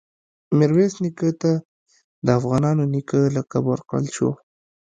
میرویس نیکه ته د “افغانانو نیکه” لقب ورکړل شو.